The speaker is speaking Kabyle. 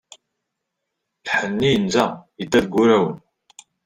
Lḥenni yenza, yedda deg wurawen.